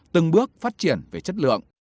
từng bước phát triển về chất lượng